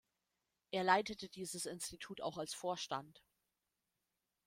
Er leitete dieses Institut auch als Vorstand.